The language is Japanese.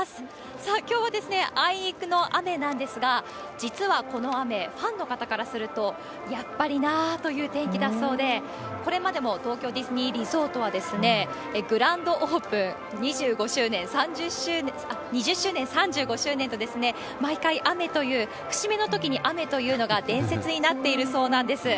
さあ、きょうはあいにくの雨なんですが、実はこの雨、ファンの方からすると、やっぱりなあという天気だそうで、これまでも東京ディズニーリゾートはグランドオープン、２０周年、３５周年と、毎回雨という、節目のときに雨というのが伝説になっているそうなんです。